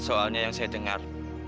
soalnya yang saya dengar